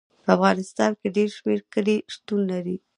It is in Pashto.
په افغانستان کې ډېر شمیر کلي شتون لري.